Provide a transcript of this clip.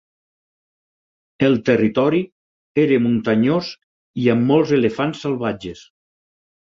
El territori era muntanyós i amb molts elefants salvatges.